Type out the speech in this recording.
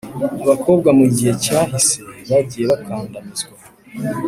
abakobwa mu gihe cyahise bagiye bakandamizwa,